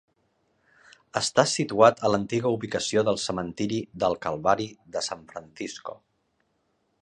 Està situat a l'antiga ubicació del Cementiri del Calvari de San Francisco.